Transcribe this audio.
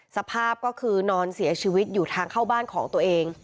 สภาพก็คือนอนเสียชีวิตอยู่ทางเข้าบ้านของตัวเอง